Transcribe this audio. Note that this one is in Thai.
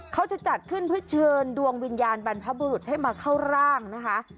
เขาจะจัดขึ้นเพื่อเชิญดวงวิญญาณบรรพบุรุษให้มาเข้าร่างนะคะ